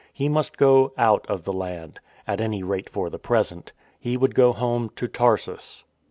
He must go out of the land — at any rate for the present. He would go home to Tarsus.